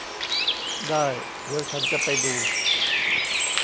ได้ เดี๋ยวฉันจะไปดู